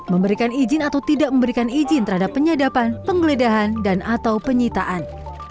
memberikan izin atau tidak memberikan izin terhadap penyadapan penggeledahan dan atau penyitaan